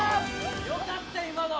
よかった今の。